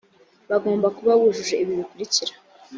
bagomba kuba bujuje ibi bikurikira